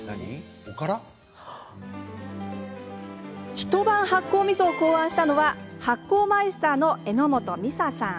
ひと晩発酵みそを考案したのは発酵マイスターの榎本美沙さん。